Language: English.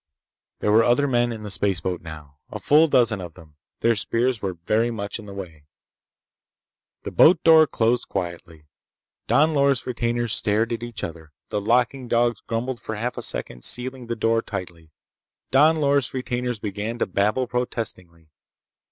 There were other men in the spaceboat now. A full dozen of them. Their spears were very much in the way. The boat door closed quietly. Don Loris' retainers stared at each other. The locking dogs grumbled for half a second, sealing the door tightly. Don Loris' retainers began to babble protestingly.